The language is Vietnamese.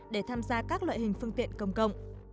để tham gia các loại hình phương tiện công cộng